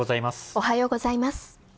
おはようございます。